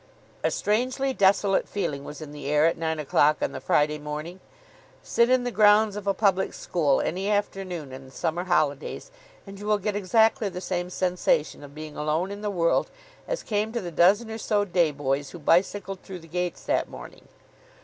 A strangely desolate feeling was in the air at nine o'clock on the Friday morning. Sit in the grounds of a public school any afternoon in the summer holidays, and you will get exactly the same sensation of being alone in the world as came to the dozen or so day boys who bicycled through the gates that morning.